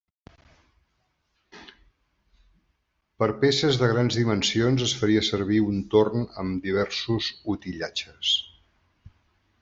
Per peces de grans dimensions es faria servir un torn amb diversos utillatges.